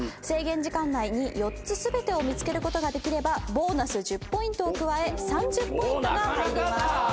制限時間内に４つ全てを見つけることができればボーナス１０ポイントを加え３０ポイントが入ります。